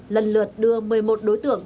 lần lượt đưa một mươi một đối tượng